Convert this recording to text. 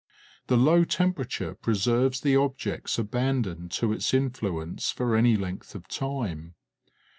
The low temperature preserves the objects abandoned to its influence for any length of time.